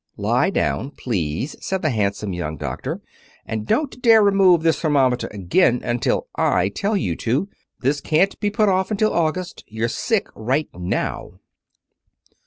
"Lie down, please," said the handsome young doctor, "and don't dare remove this thermometer again until I tell you to. This can't be put off until August. You're sick right now."